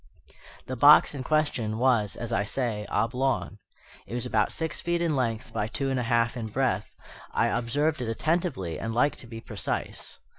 The box in question was, as I say, oblong. It was about six feet in length by two and a half in breadth: I observed it attentively and like to be precise.